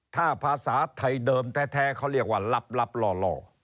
ถ้าภาษาไทยเดิมแท้เขาเรียกว่าลับหล่อ